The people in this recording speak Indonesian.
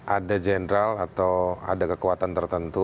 ada jenderal atau ada kekuatan tertentu